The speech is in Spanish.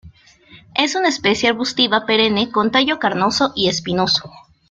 Es una especie arbustiva perenne con tallo carnoso y espinoso.